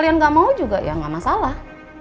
misalnya kalian gak mau juga ya gak masalah